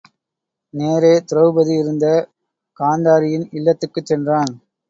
நேரே திரெளபதி இருந்த காந்தாரியின் இல்லத்துக்குச் சென்றான்.